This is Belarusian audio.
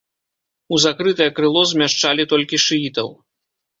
У закрытае крыло змяшчалі толькі шыітаў.